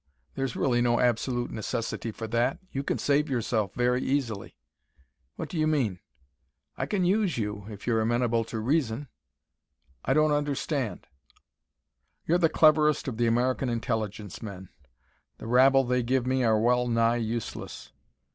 There's really no absolute necessity for that. You can save yourself, very easily." "What do you mean?" "I can use you, if you're amenable to reason." "I don't understand." "You're the cleverest of the American Intelligence men. The rabble they give me are well nigh useless.